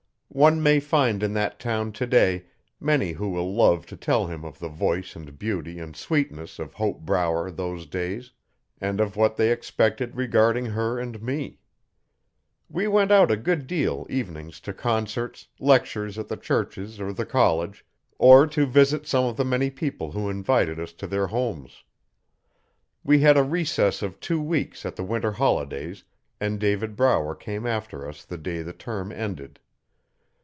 One may find in that town today many who will love to tell him of the voice and beauty and sweetness of Hope Brower those days, and of what they expected regarding her and me. We went out a good deal evenings to concerts, lectures at the churches or the college, or to visit some of the many people who invited us to their homes. We had a recess of two weeks at the winter holidays and David Brower came after us the day the term ended.